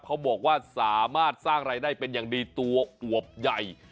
เขาบอกว่าสามารถสร้างรายได้เป็นอย่างดีตัวอวบใหญ่